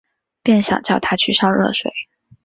便想叫她去烧热水